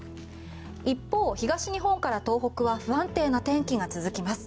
一方、東日本から東北は不安定な天気が続きます。